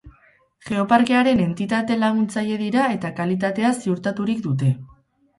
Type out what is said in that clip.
Geoparkearen entitate laguntzaile dira eta kalitatea ziurtaturik dute.